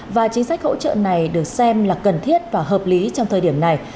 và chính sách hỗ trợ này được xem là cần thiết và hợp lý trong thời điểm này